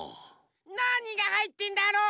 なにがはいってんだろ。